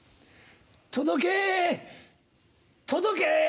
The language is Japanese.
届け届け。